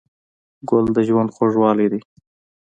ګل د ژوند خوږوالی دی.